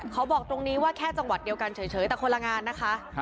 บอกตรงนี้ว่าแค่จังหวัดเดียวกันเฉยแต่คนละงานนะคะ